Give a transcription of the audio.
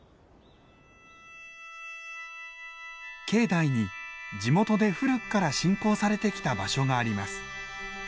境内に地元で古くから信仰されてきた場所があります。